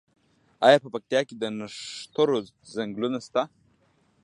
آیا په پکتیا کې د نښترو ځنګلونه شته؟